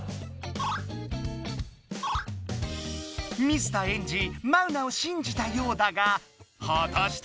水田エンジマウナをしんじたようだがはたして？